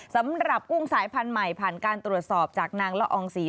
กุ้งสายพันธุ์ใหม่ผ่านการตรวจสอบจากนางละอองศรี